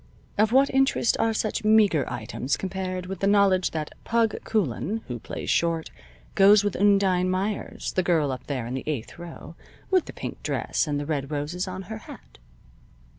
Of what interest are such meager items compared with the knowledge that "Pug" Coulan, who plays short, goes with Undine Meyers, the girl up there in the eighth row, with the pink dress and the red roses on her hat?